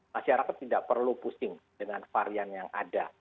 masyarakat tidak perlu pusing dengan varian yang ada